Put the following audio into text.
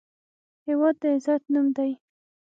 هېواد د عزت نوم دی.